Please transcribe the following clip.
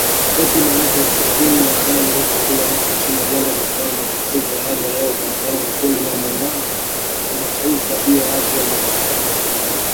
Takriban watu elfu ishirini na wanane hufa kila mwaka nchini Uganda kutokana na uchafuzi wa hali ya hewa kulingana na kundi la Muungano wa Kimataifa juu ya Afya na Uchafuzi